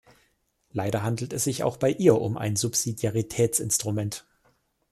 Leider handelt es sich auch bei ihr um ein Subsidiaritätsinstrument.